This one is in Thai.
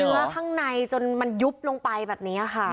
มันกินเนื้อข้างในจนมันยุบลงไปแบบนี้ค่ะ